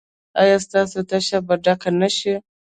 ایا ستاسو تشه به ډکه نه شي؟